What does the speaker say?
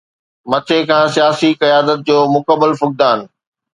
مٿي کان سياسي قيادت جو مڪمل فقدان.